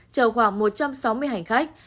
chở khoảng một trăm sáu mươi hành khách